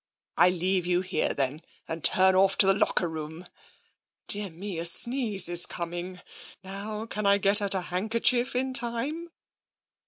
I leave you here, then, and turn off to the locker room. ... Dear me, a sneeze is coming; now, can I get at a handkerchief in time?